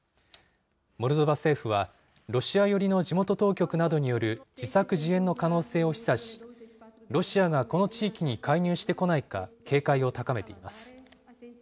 モルドバ政府は、ロシア寄りの地元当局などによる自作自演の可能性を示唆し、ロシアがこの地域に介入してこないか警戒を高めています。